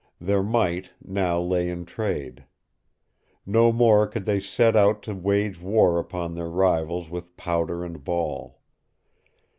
Their might now lay in trade. No more could they set out to wage war upon their rivals with powder and ball.